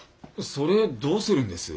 それどうするんです？